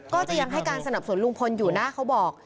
ก็ยังให้การสนับสนุนลุงพลอยู่นะเขาบอก